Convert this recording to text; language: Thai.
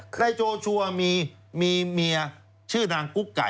โจชัวร์มีเมียชื่อนางกุ๊กไก่